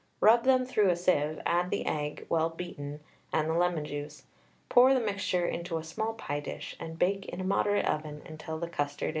Rub them through a sieve, add the egg, well beaten, and the lemon juice; pour the mixture into a small pie dish, and bake in a moderate oven until the custard is set.